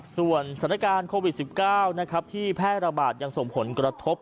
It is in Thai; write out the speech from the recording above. ส่วนสถานการณ์โควิด๑๙ที่แพร่ระบาดยังส่งผลกระทบ